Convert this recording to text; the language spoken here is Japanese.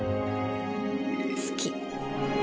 好き。